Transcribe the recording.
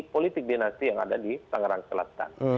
politik dinasti yang ada di tangerang selatan